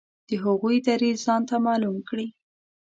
د هغوی دریځ ځانته معلوم کړي.